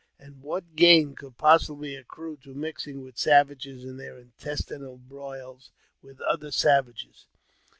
and what gain could possibly accrue to mixing with savages in their intestine broils with other savages